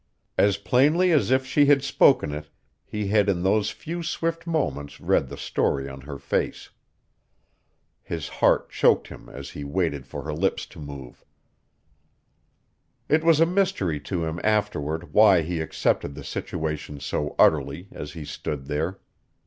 As plainly as if she had spoken it he had in those few swift moments read the story in her face. His heart choked him as he waited for her lips to move. It was a mystery to him afterward why he accepted the situation so utterly as he stood there.